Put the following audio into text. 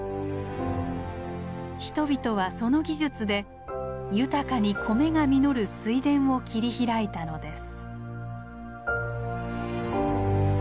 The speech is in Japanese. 人々はその技術で豊かに米が実る水田を切り開いたのです。